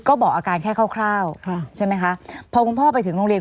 ก็บอกอาการแค่คร่าวใช่ไหมคะพอคุณพ่อไปถึงโรงเรียน